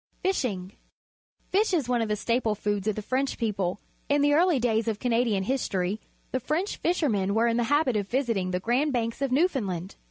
Fishing. — Fish is one of the staple foods of the French people. Tn the early daj^s of Canadian history, the French fishermen were in the habit of visiting the Grand Banks of Newfoundland.